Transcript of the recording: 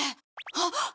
あっ！